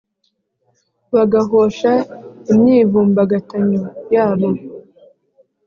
bagahosha imyivumbagatanyo yabo.